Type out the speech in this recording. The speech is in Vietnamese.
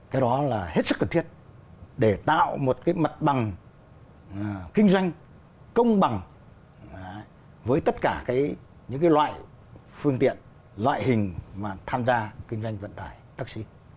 cái đó là hết sức cần thiết để tạo một cái mặt bằng kinh doanh công bằng với tất cả những loại phương tiện loại hình mà tham gia kinh doanh vận tải taxi